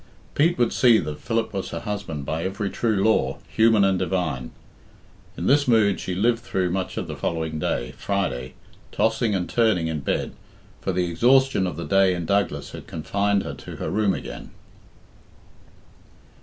Pete would see that Philip was her husband by every true law, human and divine. In this mood she lived through much of the following day, Friday, tossing and turning in bed, for the exhaustion of the day in Douglas had confined her to her room again.